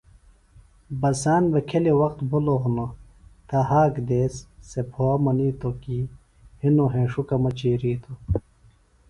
بساند بھےۡ کھیۡلیۡ وخت بِھلوۡ ہنوۡ تہآک دیس سےۡ پھو منِیتوۡ کیۡ ہِنوۡ ہینݜکہ مہ چِیرِیتوۡ